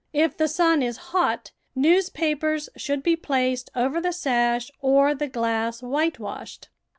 If the sun is hot, newspapers should be placed over the sash or the glass whitewashed.